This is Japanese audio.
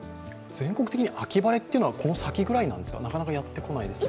全国的に秋晴れというのはこの先ぐらいなんですかなかなかやってこないですね。